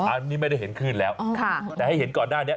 อันนี้ไม่ได้เห็นคลื่นแล้วแต่ให้เห็นก่อนหน้านี้